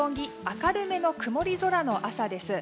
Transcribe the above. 明るめの曇り空の朝です。